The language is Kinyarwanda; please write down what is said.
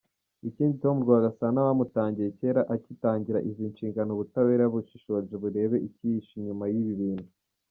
Ikindi Tom Rwagasana bamutangiye cyera agitangira izi nshingano ubutabera bushishoze burebe icyihishe inyuma yibibintu.